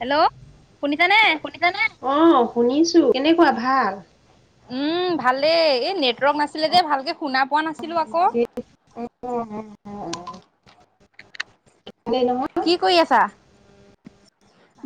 Hello শুনিছানে? শুনিছানে? অ', শুনিছো কেনেকুৱা ভাল? উম, ভালে এই নেটৱৰ্ক নাছিলে যে ভালকে শুনা পোৱা নাছিলো আকৌ। ভালেই নহয় কি কৰি আছা?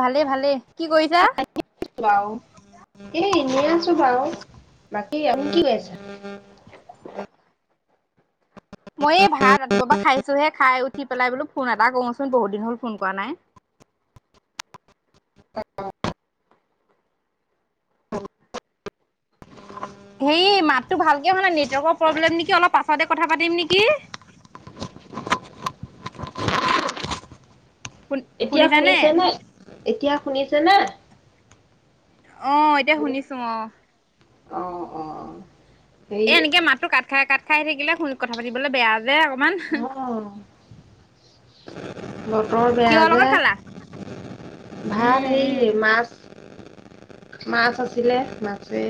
ভালে ভালে। কি কৰিছা? বাৰু এ এনেই আছো বাও বাকী আৰু কি [unintelligible] উম উম উম [unintelligible] [inaudible] ছোহে খাই উঠি পেলাই বোলো ফোন এটা কওঁচোন বহুত দিন হ'ল ফোন কৰা নাই। হেয়ি মাতটো ভালকে অহা নাই নেটৱৰ্কৰ প্ৰব্লেম নেকি অলপ পাছতে কথা পাতিম নিকি শুন এতিয়া শুনিছানে? শুনিছে নে? এতিয়া শুনিছ ছেনে অহ, এতিয়া শুনিছো অহ। অ', অ'। হেৰি এই এনেকে মাতটো কাট খাই কাট খাই থাকিলে শুনি কথা পাতিবলৈ বেয়া যে, অকণমান অ বতৰ বেয়া কিহৰ যে, লগত খালা? ভাত উম উম হেয়ি মাছ মাছ আছিলে, মাছে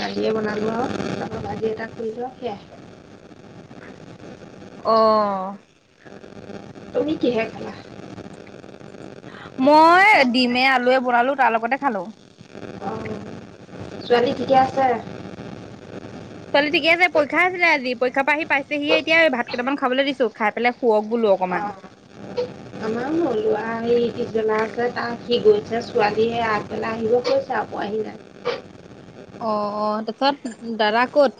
দালিয়ে বনালো আৰু ভাঁজি এটা কৰিলো আৰু সেয়াই। অহ তুমি কিহে খালা? মই ডিমে, আলুৱে বনালো তাৰ লগতে খালো। অ' ছোৱালী ঠিকে আছে? ছোৱালী ঠিকে আছে পৰীক্ষা আছিলে আজি পৰীক্ষাৰ পৰা আহি পাইছেহি হে এতিয়া এই ভাত কেইটামান খাবলৈ দিছো খাই পেলাই শুৱক বোলো অকমান। অ' ই পিছবেলা আছে তাৰ সি গৈছে ছোৱালীহে আগবেলাই আহিব কৈছে আকৌ পোৱা হি নাই। অহ, অহ তাপিছত দাদা ক'ত?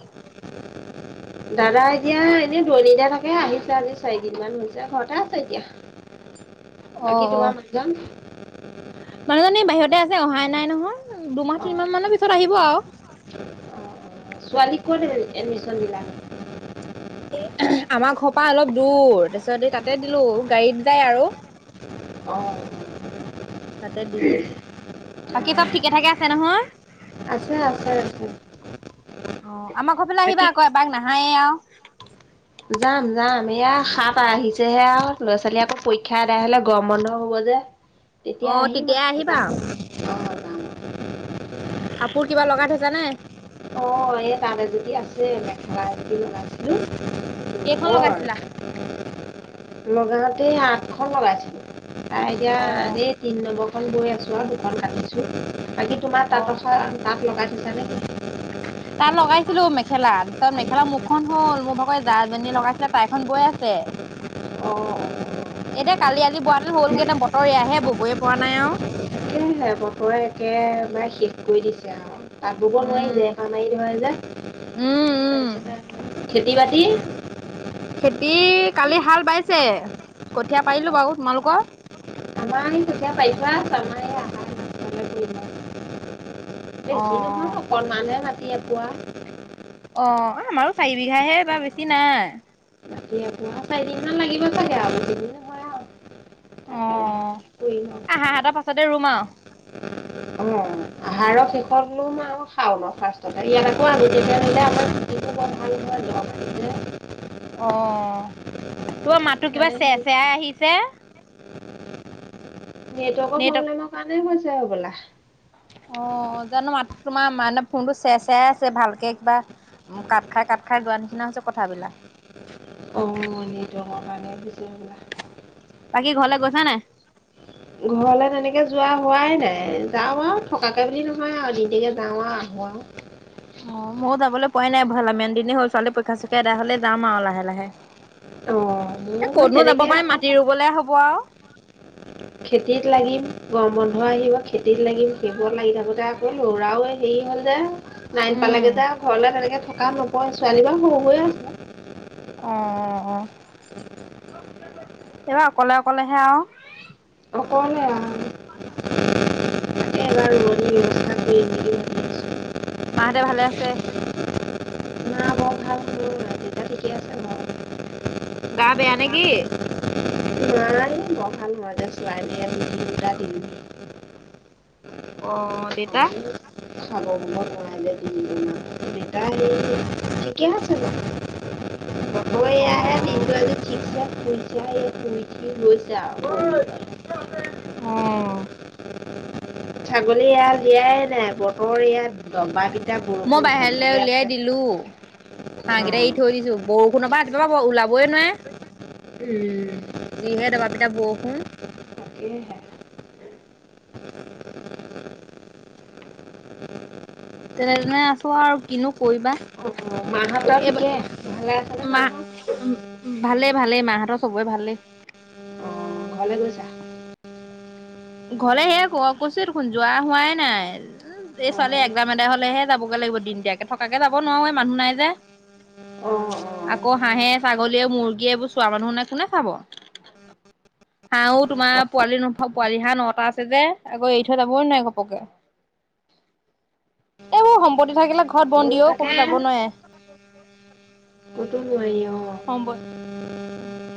দাদা এতিয়া এনেই দূৰণিতহে থাকে আহি আজি চাৰি দিনমান হৈছে ঘৰতে [unintelligible] অ বাকী অ তোমাৰ মানুহজন? মানুহজনী বাহিৰতে আছে অহাই নাই নহয়, দুমাহ অঁ অঁ তিনিমাহ মানৰ পিছত আহিব আৰু। অঁ ছোৱালীক ক'ত এডমিচন দিলা? এ আমাৰ ঘৰৰ পৰা অলপ দূৰ তাৰপিছত ই তাতে দিলো গাড়ীত যায় আৰু অঁ অঁ তাতে দিলো। বাকী চব ঠিকে থাকে আছে নহয়? আছে আছে আছে। অ' আমৰ ঘৰৰ ফালে আহিব বাকী আকৌ এপাক, না নইয়ে আৰু যাম যাম এয়া সাপাই আহিছেহে আৰু, ল'ৰা ছোৱালী আকৌ পৰীক্ষা এদায় হলে গৰম বন্ধ হব যে। অ তেতিয়া আহিম তেতিয়াই আৰু আহিবা অ' ক [unintelligible] কাপোৰ কিবা লগাই থৈছে নে? অ এই তাত এযপি আছেই, মেখেলা এযোৰ লগাইছিলো। কেইখন লগাইছিলা? লগালগি আঠশ বনাইছিলো। এতিয়া অ আজি তিনি নম্বৰ [unintelligible] আৰু দুখন কাতিছো। বাকী তোমাৰ অ তাত [unintelligible] তাত লগাই [unintelligible] [unintelligible] তাত লগাইছিলো মেখেলা, তাৰপিছত মেখেলা মুখন হল, মোৰ ভাগৰ এ জা এজনীয়ে লগাইছিলে তাইখন বৈ আছে। অ'। এইদে কালি আজি বৰা হেতেন হ'লগে হেতেন, বতৰ এয়াহে ববই পৰা নাই আৰু। বতৰে একেবাৰে শেষ কৰি দিছে আৰু। তাত ব'ব নোৱাৰি উম। [unintelligible] মাৰি ধৰে যে, উম উম তাৰপিছতে খেতি বাতি খেতি কালি হাল বাইছে, কঠীয়া পাৰিলো বাৰু। তোমালোকৰ? আমাৰ এই কঠীয়া পাৰি থোৱা আছে, আমাৰ। [unintelligible] অ বেছি নহয়, অকণমানহে মা [unintelligible] অ', আমাৰো চাৰি বিঘাহে এইবাৰ, বেছি নাই। [unintelligible] চাৰিদিনমান লাগিব চাগে আৰু [unintelligible] হয় আৰু। তাকে লাহে লাহে কৰিম আৰু অ'। [unintelligible] পাছতে ৰূপ মহ অ' আহাৰৰ শেষত লোম আৰু শাওনৰ ফাৰ্ষ্টতে, ইয়াত আকৌ আগতীয়াকৈ আনিলে আমাৰ [unintelligible] ভাল [unintelligible] অ' [unintelligible] তোমাৰ মাতটো কিবা সেইকাৰণে চেৰ হেৰি চেৰাই আহিছে। নেটৱৰ্কৰ নেটৱৰ্ক প্ৰব্লেমৰ কাৰণে হৈছে। ছে হব'লা। অ 'জানো মাত তোমাৰ মানে ফোনটো চে চেয়াই আছে ভালকে কিবা কাট খাই কাট খাই গোৱা নিচিনা হৈছে কথাবিলাক অমনি দঙ মানে বুজি বাকী ঘৰলে গৈছা নে? ঘৰলে তেনেকে যোৱা হোৱাই নাই যাওঁ আৰু থকাকে বুলি নহয় আৰু দ কে যাওঁ আৰু আহো আৰু। অ' ময়ো যাবলৈ পোৱাই নাই ভালেমান দিনে হ'ল ছোৱালী পৰীক্ষা চৰীক্ষা হ'লে যাম আৰু লাহে লাহে। অ' মোৰো এ হয় কনো যাব তেনেকে পাৰি আকৌ মাটি ৰুবলে হ'ব আৰু। খেতিত লাগিম গৰম বন্ধ আহিব খেতিত লাগিম শেইবত লাগি থাকোতে আকৌ লৰাও হেৰি হ'ল যে। নাইন উম, পালোগে যে ঘৰলে তেনেকে থকা নকয় ছোৱালী বাৰু হৈ আছো। অ 'এইবাৰ অকলে অকলেহে আৰু। অকলে আও এবাৰ ওৰণি মাহঁতে ভালে আছে। আছোঁ মা বৰ ভাল নহয় দেউতা ঠিকে আছে গা বেয়া নেকি? বাৰু মা এই বৰ ভাল নহয় যে [inaudible] অ 'দেউেতা সমানে খাব বব নোৱাৰে যে তিনিজনৰ কিয় চেৰ [unintelligible] অ' শিকা পইচা [inaudible] [inaudible] অ'। ঠাগ। এৰাল দিয়াই নাই বতৰৰ ইয়াত দম্বাকেইটা মই বৰষুণ ধান বাহিৰলৈ দে উলিয়াই আছে দিলো অ' কিবা পাব ওলাবয়ে নোৱাৰে। উম। যি হে দবাপিতা বৰষুণ [inaudible] তেনে তেনে আছো আৰু কিনো কৰিবা মাহততও এইবাৰ ঠিকে ভালে আছে ন মাহ। ভালেই ভালেই মাহঁতৰ সবৰে ভালেই। অ ঘৰলৈ গৈছা। ঘৰলে সেয়া আকৌ কৈছো দেখোন যোৱা হোৱাই নাই উম এই অ ছোৱালী একদাম এদাই হলেহে যাবগে লাগিব দিনটিয়াকে থকাকে যাব নোৱাৰো এই মানুহ নাই যে অ অ আকৌ হাঁহে ছাগলীয়ে মুৰ্গী এইবোৰ চোৱা মানুহ নাই কোনে চাব হাঁহো তোমাৰ পোৱালি অনুভৱ। পোৱালি হাঁহ নটা আছে যে আকৌ এৰি থৈ যাবই নোৱাৰাই ঘপকে এইবোৰ সম্পত্তি থাকিলে ৰত ময়ো বন্দীও কো তাকে যাব নোৱাৰে। ক'তো নোৱাৰি অ অ সম্প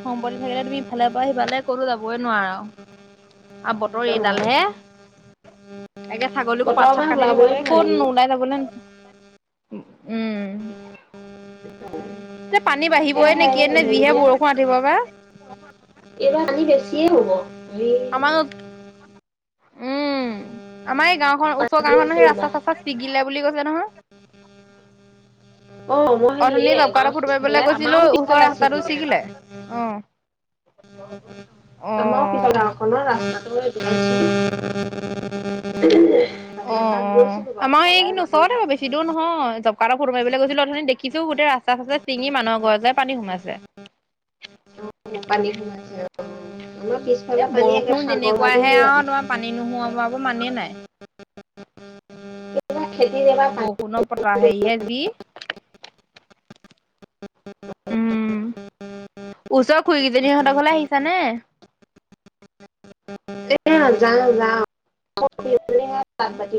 সম্পত্তি থাকিলে তুমি ইফালে পৰা সিফালে কতো যাবই নোৱাৰা। আৰু বতৰ এইডাল হে এগে ছাগলীকো পাত বতৰৰ চাত পৰা কাটি দিব ওলাবই লাগে ক'ত নোৱাৰি নো অ ওলাই যাবলৈ। উম এ পানী তাকে বাঢ়িবই নেকি? সেই কি এনেে যহে মানুহজনীয়ে বৰষুণ ৰাতিপুৱা পৰা। এইবাৰ পানী বেছিয়ে হ'ব। হেৰি আমাক উম, আমাৰ এই গাওখন ওচৰৰ পানী গাওখনত আছে সেই ৰাস্তা এইবাৰ চাস্তা চিগিলে বুলি কৈছে নহয়। অ মই সেই অথনি এই গাঁৱৰ জবকাৰ্ডৰ ফটো পিছফালে মাৰিবলৈ গৈছিলো আমাৰো ওচৰৰ পিছফালে ৰাস্তাটো ছিগিলে অ'। [inaudible] আমাৰও অ', সিফালে অকন ৰাস্তা [unintelligible] অ' অ' আমাৰ এইখিনি মানুহ ওচৰতে বাৰু বেছি দূৰ নহয়। জবকাৰ্ডৰ ফটো মাৰিবলৈ গৈছিলো অথনি দেখিছো গোটেই ৰাস্তা চাস্তা চিঙি মানুহ ঘৰত যে পানী সোমাইছে। পানী সোমাইছে। আমাৰ এ পিছফালে পানী একে বৰষুণ সাগৰ আদি যেনেকুৱাহে হৈ আৰু আছে। তোমাৰ পানী নোহোৱাাব আকৌ মানেই নাই। এইবাৰ খেতিত এবাৰ পানী বৰষুণৰ বতৰ হেৰি হে যি। উম, ওচৰৰ খুুৰীকেইজনী হঁতৰ ঘৰলে আহিছানে। এ যাওঁ যাওঁ। [unintelligible]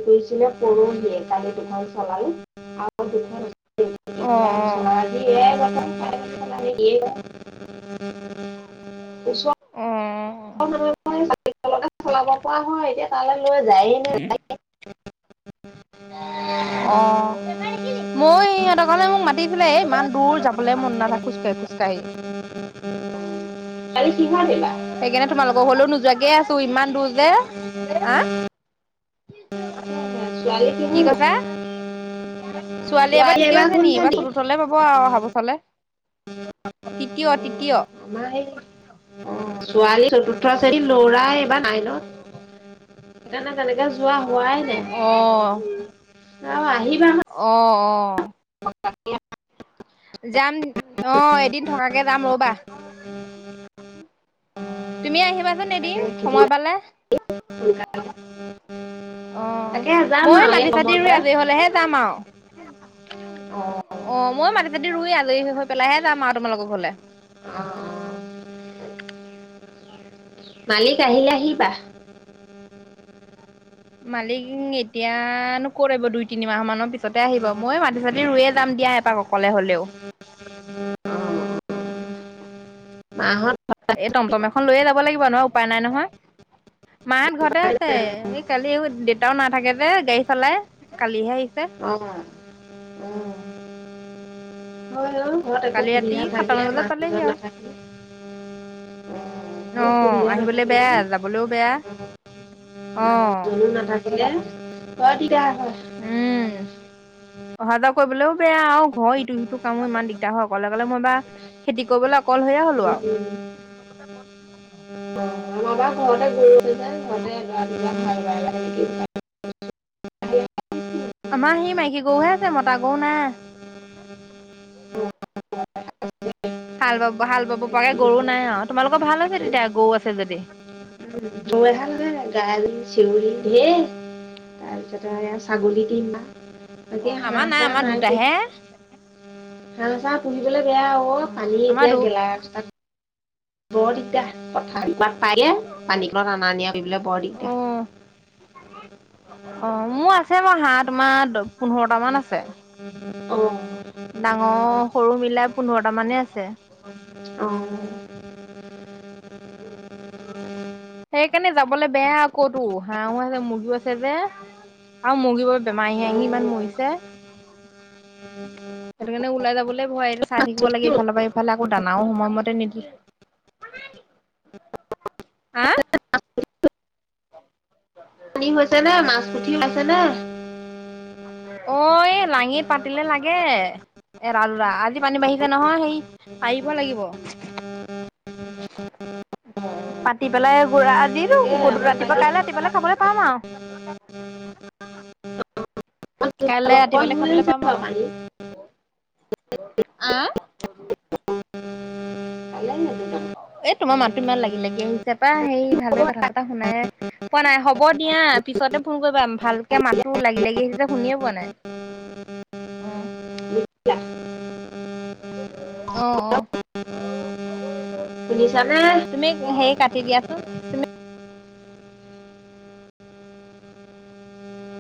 কৰিছিলে পৰহিয়ে কালি তোমাল চলালে আৰু দুখন অ', এতিয়া অ'। চলা আজি অ', [unintelligible] অ'। [unintelligible] চলাব পৰা হয় এতিয়া তালৈ লৈ যায় নে নেযায়। [inaudible] অ' মই সিহঁতৰ ঘৰলে মোক মাতিছিলে এ ইমান দূৰ যাবলৈ মন নাযায় খোজ কঢ়ি খোজকাঢ়ি। [unintelligible] সেইকাৰণে [unintelligible] তোমালোকৰ ঘৰলে নোযোৱাকে আছো তোৰ ইমান দূৰ যে, আ' ছোৱালী কিহত কি এইবাৰ? কৈছা? ছোৱালী এবাৰ তৃতিয় শ্ৰেনি এইবাৰ চতুৰ্থলৈ পাব আৰু অহা বছৰলে। তৃতীয় তৃতীয়। আমাৰ এই অ' ছোৱালী চতুৰ্থ শ্ৰেনী লৰাই এইবাৰ নাইনত। [unintelligible] তেনেকে যোৱা হোৱাই নাই, অ', আৰু আহিবা অ', অ' [inaudible] যাম, অ', এদিন থকা কে যাম ৰ'বা। তুমি আহিবা এদিন তাকে খেতি সময় পালে। অ', তাকে যাম মই আৰু এই মাটি, গম চাটি ৰুই বন্ধতে। আজৰি হ'লেহে যাম আৰু, অ', মই মাটি মাটি-চাটি ৰুই আজৰি হয় পেলাইহে যাম আৰু তোমালোকক ঘৰলে। অ'। মালিক আহিলে, আহিবা। মালিক এতিয়ানো ক'ত আহিব, দুই-তিনিমাহ মানৰ পিছতে আহিব। মই মাটি-চাটি ৰুয়ে যাম দিয়া এপাক অকলে হলেও। মাহত [unintelligible] এই টমটম এখন লৈয়ে যাব লাগিব নহ। উপায় নাই নহয়। মাহঁত ঘৰতে আছে, এই কালি দেউতাও নাথাকে যে গাড়ী চলাই, কালিহে আহিছে। অ'। হয় অ', ঘৰত একো কালি ৰাতি সুবিধা সাতটামান [unintelligible] বজাত পালেহি মানুহজন আৰু নাথাকিলে। ঘৰত অ' সুবিধা আহিবলে নাথাকিলে বেয়া, যাবলেও বেয়া। অ'। জুনু নাথাক কিলে [unintelligible] দিগদাৰ হয়। উম অহা যোৱা কৰিবলেও বেয়া আৰু ঘৰ ইটো-সিটো কামো ইমান দিগদাৰ হয়, অকলে কলে মই বা খেতি কৰিবলে [inaudible] [inaudible] আমাৰ সেই মাইকী গৰুহে আছে মতা গৰু নাই। হাল বাব, হাল বাব পৰাকে গৰু নাই যায়। আও। অ' তোমালোকৰ ভাল হৈছে তেতিয়া গৰু আছে যদি। গালি, চিঞৰি ধেৰ তাৰপিছতে, ছাগলী দিম বা। অ, আমাৰ নাই আমাৰ দুটাহে। হাহ, চাহ পুহিবলে বেয়া অ, উম পানী আমাৰ এতিয়া দু গেলা ৰাস্তাত বৰ দিগদা, পথা সিপাত পায় গে পানী খনত অনা নিয়াব কৰিবলে বৰ অ দিগদাৰ। অ, মোৰ আছে মই, হাঁহ তোমাৰ। পোন্ধৰটামান আছে, অ' ডাঙৰ, সৰু মিলাই পোন্ধৰটা মানে আছে। অ' অ' সেইকাৰণে যাবলৈ বেয়া, কৌতো হাহো আছে, মুৰ্গীও আছে, যে আৰু মুৰ্গী বোৰ বেমাৰী আহি ইমান মৰিছে। সেইটো কাৰণে, ওলাই যাবলৈ ভয়ে চাই থাকিব পুঠি লাগে ইফালৰ ৰ পৰা ইফালে আকৌ দানাও সময়মতে নিদে হা পানী হৈছে নে মাছ পুঠিও পাইছে নে অ লাঙি পাতিলে লাগে। এৰাুৰা আজি পানী বাঢ়িছে নহয় সেই পাৰিব লাগিব পাতি পেলাই গুৰা তাকে আমাৰ কালি ৰাতিপুৱা কাইলৈ ৰাতিপুৱাললে খাবলৈ পাম আৰু। চাব কাইলৈ পৰা ৰাতিপুৱালে হৈ খাবলৈ আছে পাম আৰু পানী। আহ, পালে দুটামান। এ তোমাৰ মাতটো ইমান লাগি লাগি আহিছে পা সেই ভালকে কথা পতা শুনাই পোৱা নাই হ'ব দিয়া পিছতে ফোন কৰিবা ভালকে মাতো লাগি লাগি আহিছে শুনিয়ে পোৱা নাই উ। অ, অ, শুনিছানে। তুমি হেৰি কাটি দিয়াচোন তুমি।